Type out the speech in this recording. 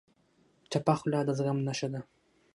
چپه خوله، د زغم نښه ده.